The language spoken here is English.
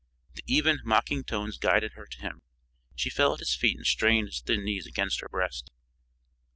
The even, mocking tones guided her to him. She fell at his feet and strained his thin knees against her breast.